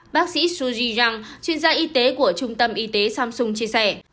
bác sĩ suzy jang chuyên gia y tế của trung tâm y tế samsung chia sẻ